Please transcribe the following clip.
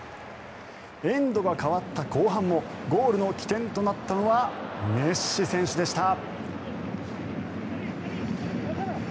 エンドが変わった後半もゴールの起点となったのはメッシ選手でした。